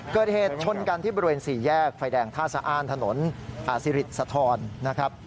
เกิดเหตุชนกันที่บริเวณสี่แยกไฟแดงท่าสะอ้านถนนสิริสะทรนะครับ